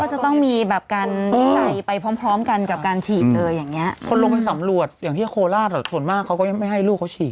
จะต้องมีแบบการวิจัยไปพร้อมพร้อมกันกับการฉีดเลยอย่างเงี้ยคนลงไปสำรวจอย่างที่โคราชอ่ะส่วนมากเขาก็ยังไม่ให้ลูกเขาฉีด